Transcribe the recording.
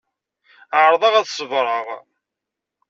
Ԑerḍeɣ ad ṣebreɣ.